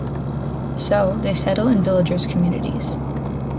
So, they settle in villagers’ communities.